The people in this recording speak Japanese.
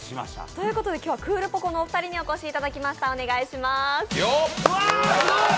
ということで今日はクールポコのお二人にお越しいただきました、お願いします。